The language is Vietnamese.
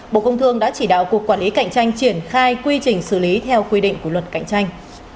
bộ công thương đã chỉ đạo cục quản lý cạnh tranh triển khai quy trình xử lý theo quy định của luật cạnh tranh